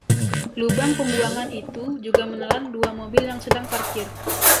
Lubang pembuangan itu juga menelan dua mobil yang sedang parkir.